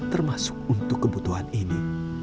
termasuk untuk kebutuhan ini